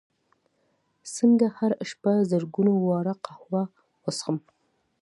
څنګه هره شپه زرګونه واره قهوه وڅښم